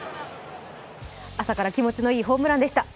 朝から気持ちのいいホームランでした。